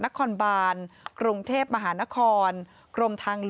นครบานกรุงเทพมหานคร